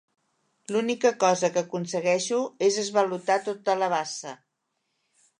L'única cosa que aconsegueixo és esvalotar tota la bassa.